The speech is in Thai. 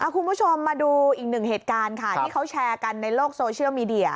คุณผู้ชมมาดูอีกหนึ่งเหตุการณ์ค่ะที่เขาแชร์กันในโลกโซเชียลมีเดีย